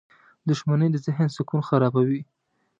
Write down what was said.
• دښمني د ذهن سکون خرابوي.